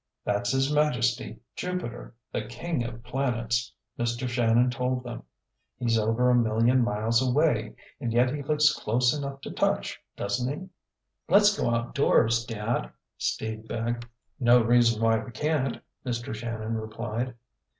"That's His Majesty, Jupiter—the king of planets," Mr. Shannon told them. "He's over a million miles away and yet he looks close enough to touch, doesn't he?" "Let's go outdoors, Dad!" Steve begged. "No reason why we can't," Mr. Shannon replied.